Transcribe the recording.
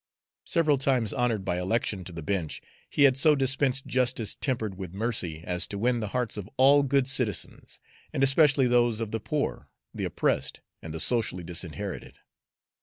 Several times honored by election to the bench, he had so dispensed justice tempered with mercy as to win the hearts of all good citizens, and especially those of the poor, the oppressed, and the socially disinherited.